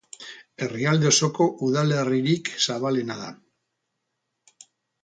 Herrialde osoko udalerririk zabalena da.